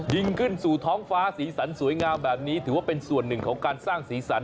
ยิ่งขึ้นสู่ท้องฟ้าสีสันสวยงามแบบนี้ถือว่าเป็นส่วนหนึ่งของการสร้างสีสัน